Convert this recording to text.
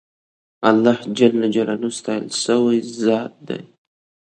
اللهﷻ ستایل سوی ذات دی.